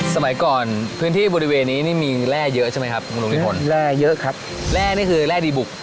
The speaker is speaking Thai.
สมัยก่อนพื้นที่บริเวณนี้นี่มีแร่เยอะใช่ไหมครับคุณลุงนิพลแร่เยอะครับแร่นี่คือแร่ดีบุก